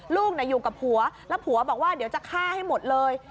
ลูกอยู่กับผัวแล้วผัวบอกว่าเดี๋ยวจะฆ่าให้หมดเลย